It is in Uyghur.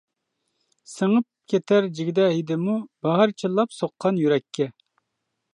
سىڭىپ كېتەر جىگدە ھىدىمۇ، باھار چىللاپ سوققان يۈرەككە.